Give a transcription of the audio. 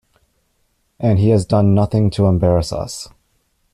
And he has done nothing to embarrass us.